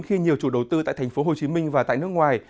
khi nhiều chủ đầu tư tại tp hcm và tại nước ngoài